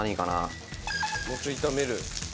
もうちょい炒める。